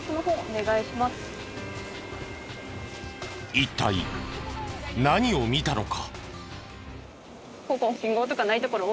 一体何を見たのか？